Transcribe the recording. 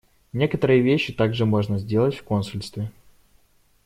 Некоторые вещи также можно сделать в консульстве.